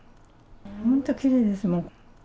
本当、きれいですもん。